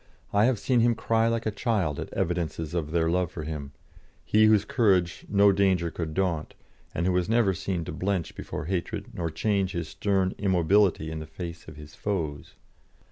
I have seen him cry like a child at evidences of their love for him, he whose courage no danger could daunt, and who was never seen to blench before hatred nor change his stern immobility in the face of his foes.